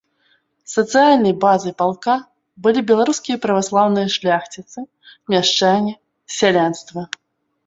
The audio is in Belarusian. Сацыяльнай базай палка былі беларускія праваслаўныя шляхціцы, мяшчане, сялянства.